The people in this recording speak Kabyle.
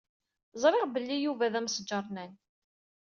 Ẓriɣ belli Yuba d amesjernan.